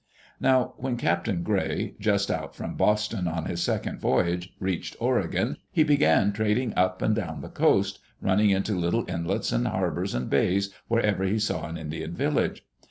Now, when Captain Gray, just out from Boston on his second voyage, reached Oregon, he began trading up and down the coast, running into the little inlets and harbors and bays wherever he saw an Indian village.